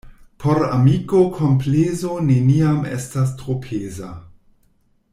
Por amiko komplezo neniam estas tro peza.